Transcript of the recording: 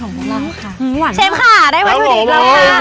ห่วงเหมือนกับให้เชฟเราก็โดยงล่ะก่อนก่อนค่ะ